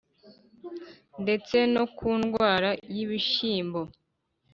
ndetse no ku ndwara y’ibishyimbo